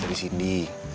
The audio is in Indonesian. lalu dari sindi